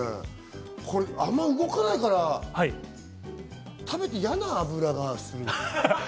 あんまり動かないから食べて嫌な脂がする。